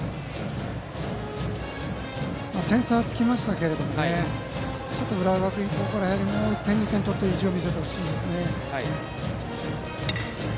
点差はつきましたが浦和学院はここでやはりもう１点、２点取って意地を見せてほしいですね。